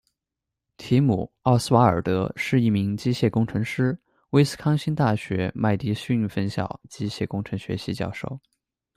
提姆·奥斯瓦尔德是一名机械工程师、威斯康辛大学麦迪逊分校机械工程学系教授。